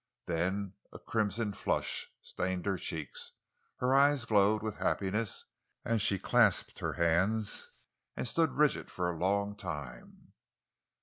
Then a crimson flush stained her cheeks, her eyes glowed with happiness, and she clasped her hands and stood rigid for a long time.